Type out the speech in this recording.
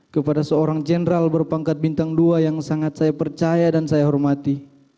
kepada seorang jenderal berpangkat bintang dua yang sangat saya percaya dan saya hormati